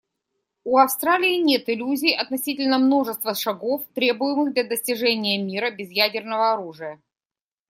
У Австралии нет иллюзий относительно множества шагов, требуемых для достижения мира без ядерного оружия.